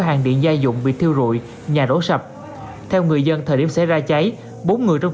hàng điện gia dụng bị thiêu rụi nhà đổ sập theo người dân thời điểm xảy ra cháy bốn người trong